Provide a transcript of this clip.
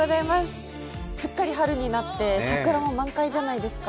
すっかり春になって桜も満開じゃないですか。